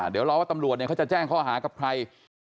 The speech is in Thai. เดี๋ยวรอว่าตำรวจเขาจะแจ้งข้อหากับใคร